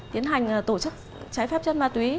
tiến hành tổ chức trái phép chất ma tùy